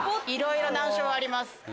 いろいろ難所はあります。